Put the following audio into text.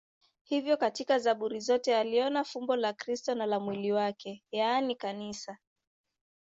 Hivyo katika Zaburi zote aliona fumbo la Kristo na la mwili wake, yaani Kanisa.